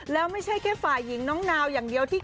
แล้วไม่ใช่แค่ฝ่ายหญิงน้องนาวอย่างเดียวที่